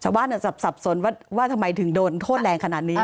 สับสนว่าทำไมถึงโดนโทษแรงขนาดนี้